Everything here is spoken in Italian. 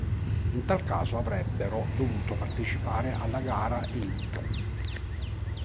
In tal caso avrebbero dovuto partecipare alla gara Elite.